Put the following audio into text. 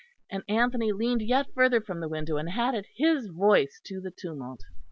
And Anthony leaned yet further from the window and added his voice to the tumult.